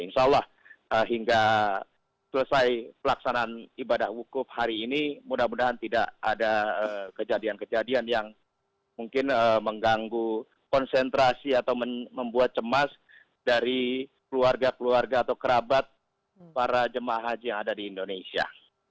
insya allah hingga selesai pelaksanaan ibadah wukuf hari ini mudah mudahan tidak ada kejadian kejadian yang mungkin mengganggu konsentrasi atau membuat cemas dari keluarga keluarga atau kerabat para jemaah haji yang ada di indonesia